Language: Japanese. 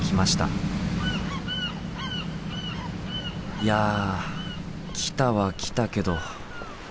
いや来たは来たけど。